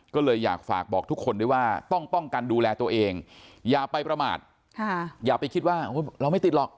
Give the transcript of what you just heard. ก็เลยอยากฝากบอกทุกคนด้วยว่าต้องป้องกันดูแลตัวเองอย่าไปประมาทอย่าไปคิดว่าเราไม่ติดหรอก